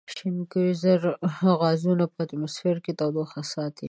شینکوریزه غازونه په اتموسفیر کې تودوخه ساتي.